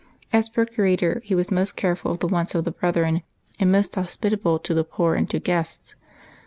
As procurator, he was most careful of the wants of the brethren, and most hospitable to the poor and to guests.